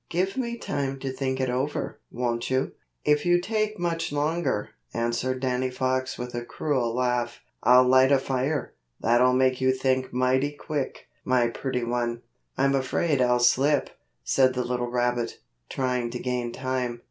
"Give me time to think it over, won't you?" "If you take much longer," answered Danny Fox with a cruel laugh, "I'll light a fire. That'll make you think mighty quick, my pretty one." "I'm afraid I'll slip," said the little rabbit, trying to gain time.